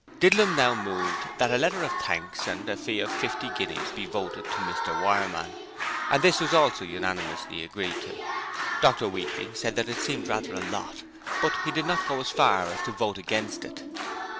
Didlum now moved that a letter of thanks and a fee of fifty guineas be voted to Mr Wireman, and this was also unanimously agreed to. Dr Weakling said that it seemed rather a lot, but he did not go so far as to vote against it.